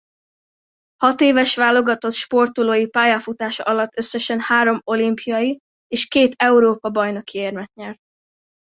Hatéves válogatott sportolói pályafutása alatt összesen három olimpiai és két Európa-bajnoki érmet nyert.